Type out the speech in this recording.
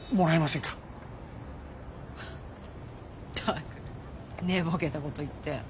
フッったく寝ぼけたこと言って。